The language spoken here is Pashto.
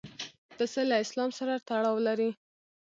پسه له اسلام سره تړاو لري.